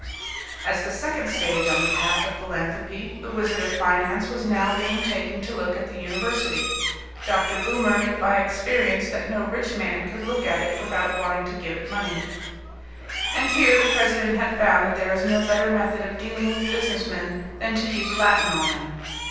As the second stage on the path of philanthropy, the Wizard of Finance was now being taken to look at the university. Dr. Boomer knew by experience that no rich man could look at it without wanting to give it money. And here the president had found that there is no better method of dealing with businessmen than to use Latin on them.